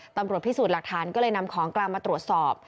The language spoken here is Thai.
ตำรวจพิสูจน์หลักฐานก็เลยนำของกลางมาตรวจสอบ